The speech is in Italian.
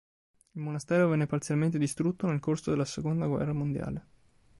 Il monastero venne parzialmente distrutto nel corso della seconda guerra mondiale.